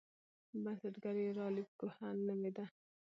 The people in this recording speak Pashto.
بنسټګر یې رالف کوهن نومیده.